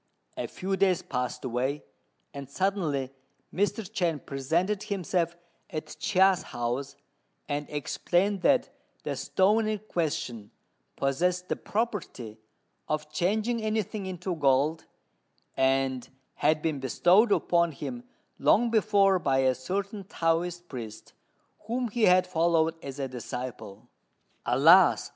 A few days passed away, and suddenly Mr. Chên presented himself at Chia's house, and explained that the stone in question possessed the property of changing anything into gold, and had been bestowed upon him long before by a certain Taoist priest, whom he had followed as a disciple. "Alas!"